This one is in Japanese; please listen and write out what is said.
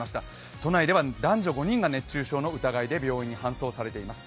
都内では男女５人が熱中症の疑いで病院に搬送されています。